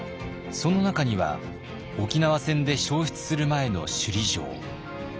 その中には沖縄戦で焼失する前の首里城。